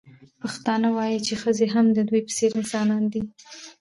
پښتانه وايي چې ښځې هم د دوی په څېر انسانان دي.